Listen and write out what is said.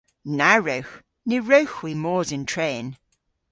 Na wrewgh! Ny wrewgh hwi mos yn tren.